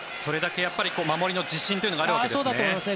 それだけ守りの自信というのがあるわけですね。